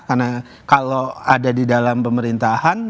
karena kalau ada di dalam pemerintahan